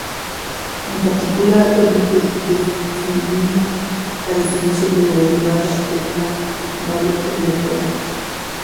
En particular, permite definir la definición de la derivada de una variable aleatoria.